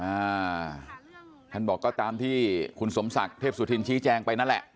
อ่าท่านบอกก็ตามที่คุณสมศักดิ์เทพสุธินชี้แจงไปนั่นแหละ